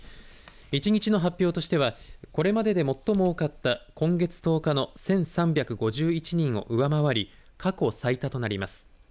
１日の発表としてはこれまでで最も多かった今月１０日の１３５１人を上回り過去最多となります。